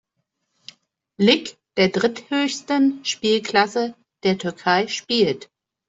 Lig, der dritthöchsten Spielklasse der Türkei spielt.